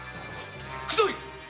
くどい！